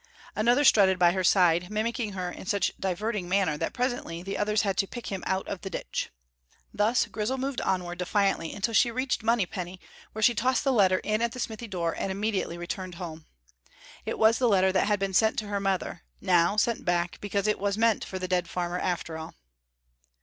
Another strutted by her side, mimicking her in such diverting manner that presently the others had to pick him out of the ditch. Thus Grizel moved onward defiantly until she reached Monypenny, where she tossed the letter in at the smithy door and immediately returned home. It was the letter that had been sent to her mother, now sent back, because it was meant for the dead farmer after all.